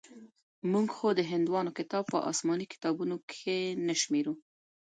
موږ خو د هندوانو کتاب په اسماني کتابونو کښې نه شمېرو.